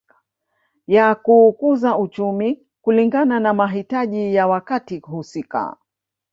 Ya kuukuza uchumi kulingana na mahitaji ya wakati husika